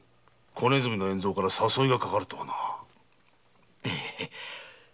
小鼠の円蔵から誘いがかかるとはな。